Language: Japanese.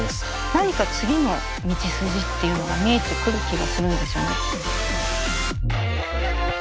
何か次の道筋っていうのが見えてくる気がするんですよね。